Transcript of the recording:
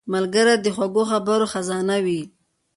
ملګری د خوږو خبرو خزانه وي